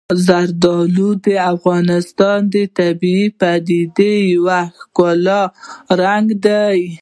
زردالو د افغانستان د طبیعي پدیدو یو ښکلی رنګ دی.